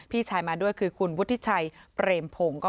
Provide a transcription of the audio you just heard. พี่ชายมาด้วยคือคุณวุฒิชัยเปรมพงศ์